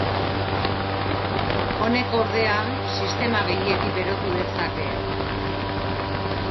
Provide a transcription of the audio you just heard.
Honek ordea, sistema gehiegi berotu dezake.